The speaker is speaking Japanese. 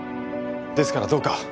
ですからどうか。